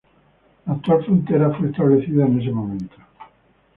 La actual frontera fue establecida en ese momento.